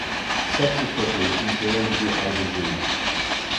Subsequently he joined The Ivy League.